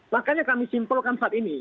makanya kami simpelkan saat ini